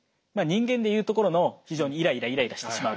人間で言うところの非常にイライライライラしてしまうと。